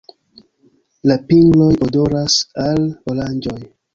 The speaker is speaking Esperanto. La pingloj odoras al oranĝoj.